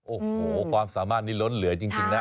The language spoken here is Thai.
โอ้โหความสามารถนี้ล้นเหลือจริงนะ